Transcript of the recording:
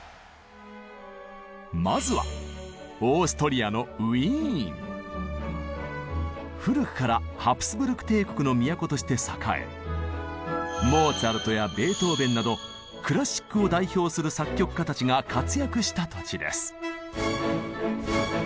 まずは古くからハプスブルク帝国の都として栄えなどクラシックを代表する作曲家たちが活躍した土地です。